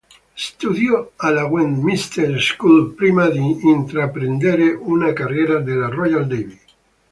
Studiò alla Westminster School prima di intraprendere una carriera nella Royal Navy.